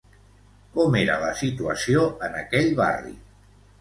Com era la situació en aquell barri?